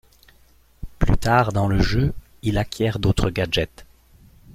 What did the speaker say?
Plus tard dans le jeu, il acquiert d'autres gadgets.